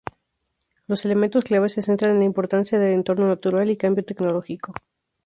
Los elementos clave se centran en la importancia de entorno natural y cambio tecnológico.